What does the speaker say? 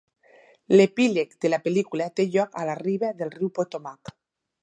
L’epíleg de la pel·lícula té lloc a la riba del riu Potomac.